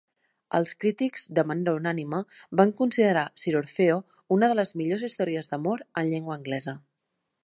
Els crítics, de manera unànime, van considerar "Sir Orfeo" una de les millors històries d'amor en llengua anglesa.